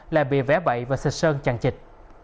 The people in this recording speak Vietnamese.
lại bị vẽ bậy và xịt sơn chặn chịt